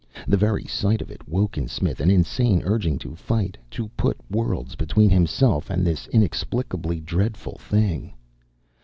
The very sight of it woke in Smith an insane urging to flight, to put worlds between himself and this inexplicably dreadful thing.